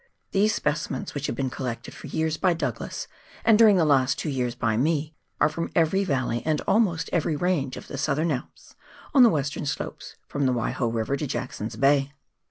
These specimens which have been collected for years by Douglas, and during the hist two years by me, are from every valley, and almost every range of the Southern Alps on the western slopes — from the Waiho River to Jackson's Bay.